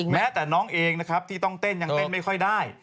แม้แต่น้องเองนะครับที่ต้องเต้นยังเต้นไม่ค่อยได้